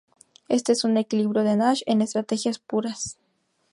Este es un equilibrio de Nash en estrategias puras.